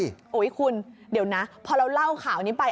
โอ้โหคุณเดี๋ยวนะพอเราเล่าข่าวนี้ไป